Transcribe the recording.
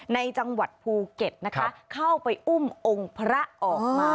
ในจังหวัดภูเก็ตนะคะเข้าไปอุ้มองค์พระออกมา